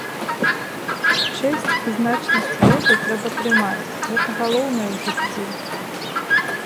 Чэсць і значнасць роду трэба трымаць, гэта галоўнае ў жыцці.